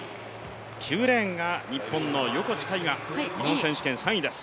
９レーンが日本の横地大雅、日本選手権３位です。